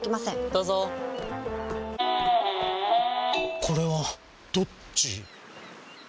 どうぞこれはどっち？